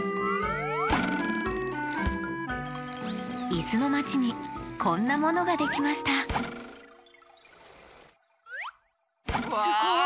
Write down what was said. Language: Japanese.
いすのまちにこんなものができましたわあ。